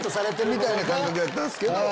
みたいな感覚やったんですけど。